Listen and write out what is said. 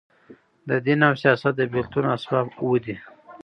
د دین او سیاست د بېلتون اسباب اووه دي.